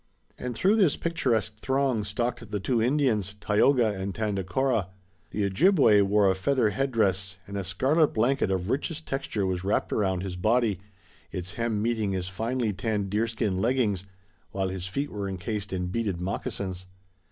And through this picturesque throng stalked the two Indians, Tayoga and Tandakora. The Ojibway wore a feather headdress, and a scarlet blanket of richest texture was draped around his body, its hem meeting his finely tanned deerskin leggings, while his feet were encased in beaded moccasins.